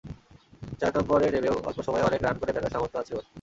চার নম্বরে নেমেও অল্প সময়ে অনেক রান করে ফেলার সামর্থ্য আছে ওর।